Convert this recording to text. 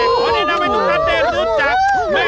โอ้นี่ทำไมทุกคนได้รู้จัก